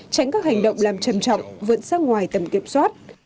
tránh các hành động làm trầm trọng vượn sang ngoài tầm kiểm soát